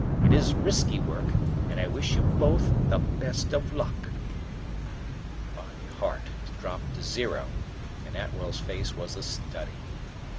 It is risky work and I wish you both the best of luck." My heart dropped to zero and Atwell's face was a study.